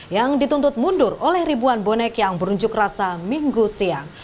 yang dituntut mundur oleh ribuan bonek yang berunjuk rasa minggu siang